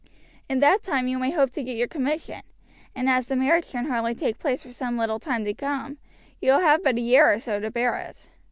In that time you may hope to get your commission; and as the marriage can hardly take place for some little time to come, you will have but a year or so to bear it."